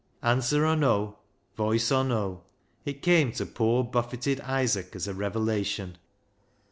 " Answer or no, voice or no, it came to poor buffeted Isaac as a revelation.